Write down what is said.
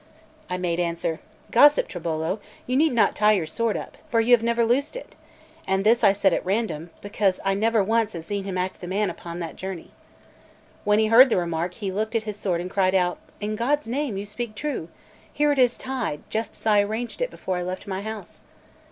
I made answer: "Gossip Tribolo, you need not tie your sword up, for you have never loosed it;" and this I said at random, because I never once had seen him act the man upon that journey. When he heard the remark, he looked at his sword and cried out: "In God's name, you speak true! Here it is tied, just as I arranged it before I left my house."